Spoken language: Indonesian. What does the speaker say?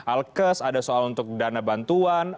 alkes ada soal untuk dana bantuan